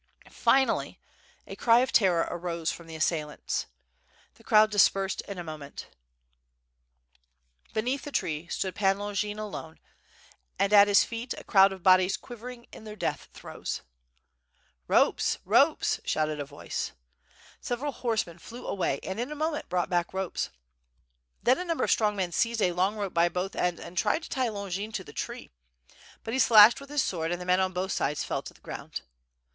Finally a cry of terror arose from the as sailants. The crowd dispersed in a moment. Beneath the tree stood Pan Longin alone, and at his feet a crowd of bodies quivering in their death throes. "Ropes, ropes!" shouted a voice. Several horsemen flew away and in a moment brought back ropes. Then a number of strong men seized a long rope by both ends and tried to tie Longin to the tree; but he slashed with his sword and the men on both sides fell to the ground.